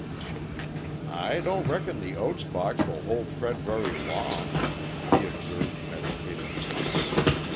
"I don't reckon the oats box will hold Fred very long," he observed meditatively.